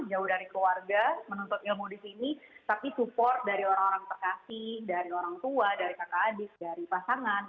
jadi keluarga menuntut ilmu di sini tapi support dari orang orang terkasih dari orang tua dari kakak adik dari pasangan